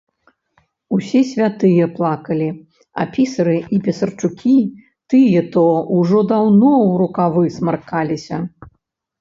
Усе святыя плакалі, а пісары і пісарчукі тыя то ўжо даўно ў рукавы смаркаліся.